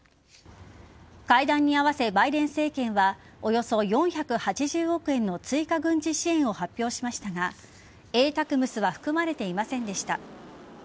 会談に合わせバイデン政権はおよそ４８０億円の追加軍事支援を発表しましたがＡＴＡＣＭＳは含まれていませんでした。